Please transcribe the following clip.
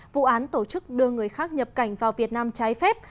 vụ án tổ chức đưa người khác nhập cảnh vào việt nam trái phép